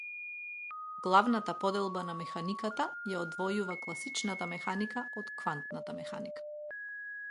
Главната поделба на механиката ја одвојува класичната механика од квантната механика.